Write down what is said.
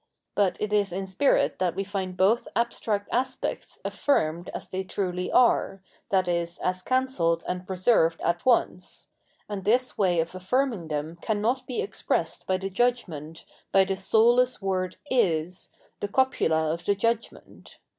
But it is in Spirit that we find both abstract aspects affirmed as they truly are, viz. as cancelled and pre .served at once ; and this way of affirming them cannot be expressed by the judgment, by the soulless word " is," the copula of the judgment.